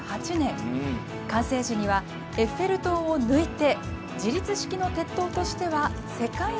完成時にはエッフェル塔の高さを抜いて自立式の鉄塔としては世界